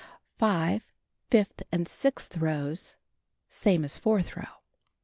5. Fifth and sixth rows: Same as fourth row. 6.